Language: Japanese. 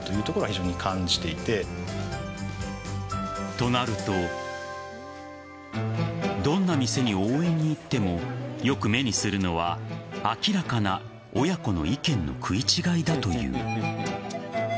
となるとどんな店に応援に行ってもよく目にするのは明らかな親子の意見の食い違いだという。